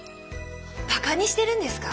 バカにしてるんですか？